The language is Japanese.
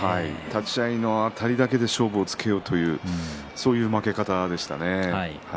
立ち合いのあたりだけで勝負をつけようという負け方でしたね。